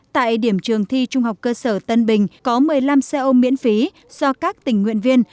tại điểm trường thi trung học cơ sở tân bình có một mươi năm xe ô miễn phí do các tình nguyện viên